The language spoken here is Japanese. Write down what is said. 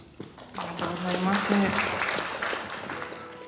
ありがとうございます。